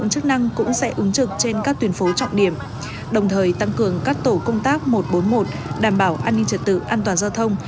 các tuyến phố trọng điểm đồng thời tăng cường các tổ công tác một trăm bốn mươi một đảm bảo an ninh trật tự an toàn giao thông